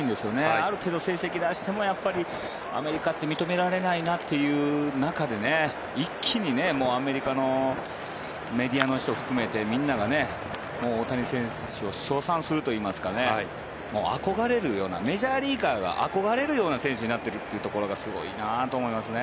ある程度、成績を出してもアメリカって認められないなって中で一気にアメリカのメディアの人を含めてみんなが大谷選手を称賛するといいますか憧れるようなメジャーリーガーが憧れるような選手になっているというところがすごいなと思いますね。